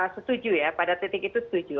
setuju ya pada titik itu setuju